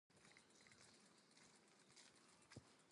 It is the largest peninsula on the island of Ireland.